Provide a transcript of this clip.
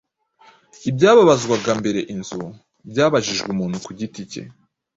Ibyabazwaga mbere inzu byabajijwe umuntu ku giti cye.